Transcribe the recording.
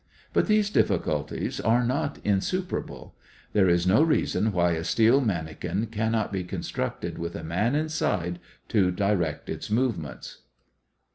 But these difficulties are not insuperable. There is no reason why a steel manikin cannot be constructed with a man inside to direct its movements.